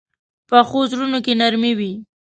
پخو زړونو کې نرمي وي